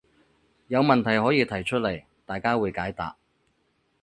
有問題可以提出來，大家會解答